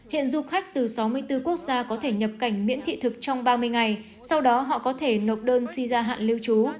hiện du khách từ sáu mươi bốn quốc gia có thể nhập cảnh miễn thị thực trong ba mươi ngày sau đó họ có thể nộp đơn xin gia hạn lưu trú